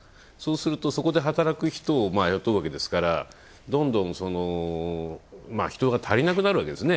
そこで働く人を雇うわけですからどんどん人が足りなくなるわけですね。